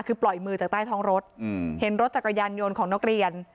คือปล่อยมือจากใต้ท้องรถเห็นรถจักรยานยนต์ของนักเรียน